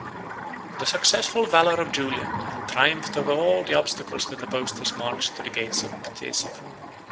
] The successful valor of Julian had triumphed over all the obstacles that opposed his march to the gates of Ctesiphon.